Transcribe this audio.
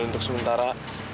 dan untuk sementara